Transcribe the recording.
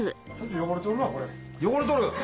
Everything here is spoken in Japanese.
汚れとる？